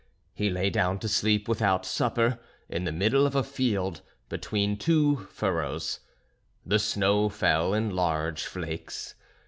He lay down to sleep without supper, in the middle of a field between two furrows. The snow fell in large flakes.